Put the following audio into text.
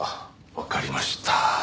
わかりました。